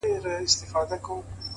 هره هڅه د راتلونکي یوه خښته ده!